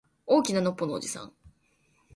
大きなのっぽのおじいさん